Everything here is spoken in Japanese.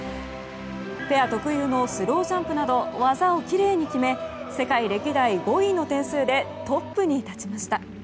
ペア特有のスロージャンプなど技をきれいに決め世界歴代５位の点数でトップに立ちました。